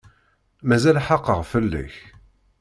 Mazal xaqeɣ fell-ak.